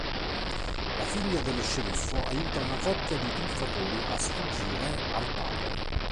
La figlia dello sceriffo aiuta una coppia di truffatori a sfuggire al padre.